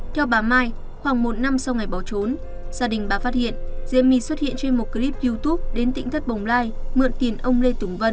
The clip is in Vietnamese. theo bà mai khoảng một năm sau ngày bỏ trốn gia đình bà phát hiện diêm my xuất hiện trên một clip youtube đến tỉnh thất bồng lai mượn tiền ông lê tùng vân